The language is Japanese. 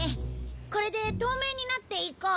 これで透明になって行こう。